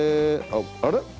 あれ？